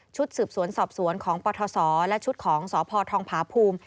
ชุดสืบสวนสอบสวนของปศและชุดของสพภภูมิ